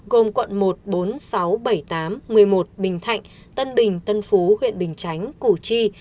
gồm quận một bốn sáu bảy tám một mươi một bình thạnh tân bình tân phú huyện bình chánh củ chi